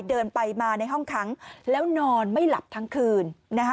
เดินไปมาในห้องขังแล้วนอนไม่หลับทั้งคืน